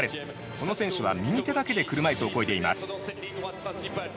この選手は、右手だけで車いすをこいでいます。